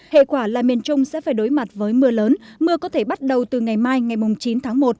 hệ quả là miền trung sẽ phải đối mặt với mưa lớn mưa có thể bắt đầu từ ngày mai ngày chín tháng một